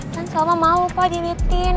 kan sal mah mau pak diritin